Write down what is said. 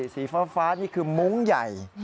สีฟ้านี่คือมุ้งใหญ่